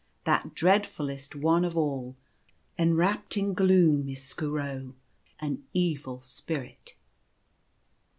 That dread fullest one of all, enwrapt in gloom, is Skooro, an Evil Spirit."